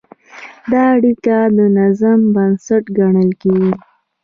دا اړیکه د نظم بنسټ ګڼل کېږي.